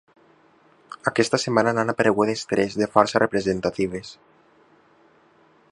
Aquesta setmana n’han aparegudes tres de força representatives.